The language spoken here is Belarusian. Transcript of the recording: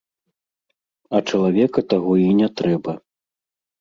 А чалавека таго і не трэба.